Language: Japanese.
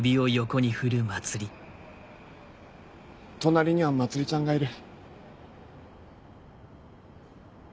隣には茉莉ちゃんがいる。